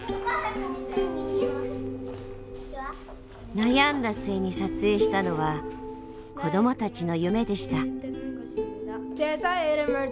悩んだ末に撮影したのは子どもたちの夢でした。